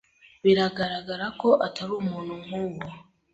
Biragaragara ko atari umuntu nkuwo.